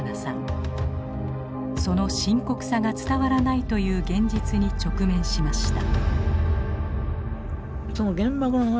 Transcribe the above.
その深刻さが伝わらないという現実に直面しました。